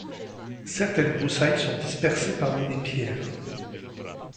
Certaines broussailles sont dispersées parmi les pierres.